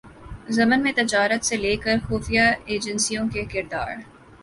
ضمن میں تجارت سے لے کرخفیہ ایجنسیوں کے کردار